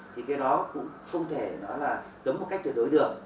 thì cái đó cũng không thể nói là cấm một cách tuyệt đối được